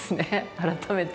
改めて。